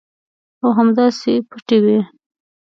او همداسې پټې وي.